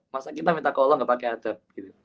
masa kita minta ke allah gak pakai adab